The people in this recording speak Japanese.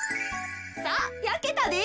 さあやけたで。